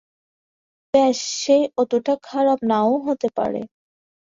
বেশ, সে অতোটা খারাপ নাও হতে পারে।